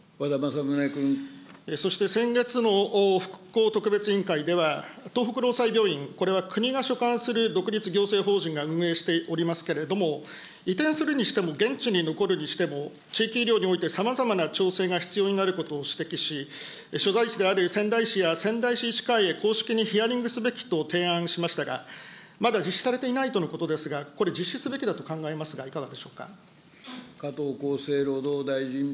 そして、先月の復興特別委員会では、東北労災病院、これは国が所管する独立行政法人が運営しておりますけれども、移転するにしても、現地に残るにしても、地域医療においてさまざまな調整が必要になることを指摘し、所在地である仙台市や、仙台市医師会へ公式にヒアリングすべきと提案しましたが、まだ実施されていないとのことですが、これ、実施すべきだと考えますが、いかがでしょうか。